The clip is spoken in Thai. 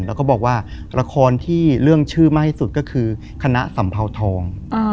แล้วก็บอกว่าละครที่เรื่องชื่อมากที่สุดก็คือคณะสัมเภาทอง